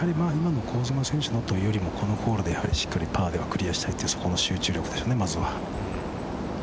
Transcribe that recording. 今の香妻選手のというよりもこのホールでしっかりパーでクリアしたいという集中力でしょうね、まずは。